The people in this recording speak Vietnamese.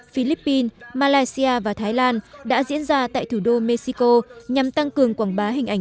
philippines malaysia và thái lan đã diễn ra tại thủ đô mexico nhằm tăng cường quảng bá hình ảnh